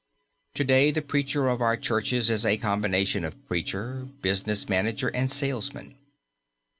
To day the preacher of our churches is a combination of preacher, business manager, and salesman.